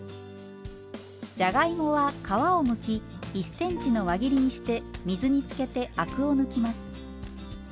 じゃがいもは皮をむき１ｃｍの輪切りにして水につけてアクを抜きます。